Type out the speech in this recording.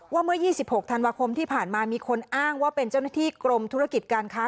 เมื่อ๒๖ธันวาคมที่ผ่านมามีคนอ้างว่าเป็นเจ้าหน้าที่กรมธุรกิจการค้า